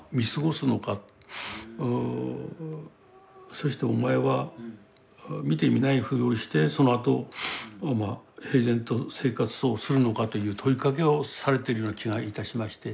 そしてお前は見て見ないふりをしてそのあと平然と生活をするのかという問いかけをされてるような気がいたしまして。